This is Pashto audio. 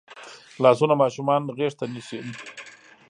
لاسونه ماشومان غېږ ته نیسي